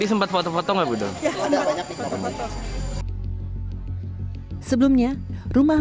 sebelumnya rumah masyarakat